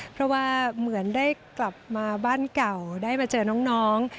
เพราะว่าเหมือนได้กลับมาบ้านเก่าได้มาเจอน้อง